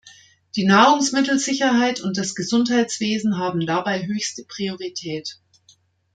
Die Nahrungsmittelsicherheit und das Gesundheitswesen haben dabei höchste Priorität.